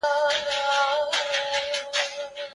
د ا یوازي وه په کټ کي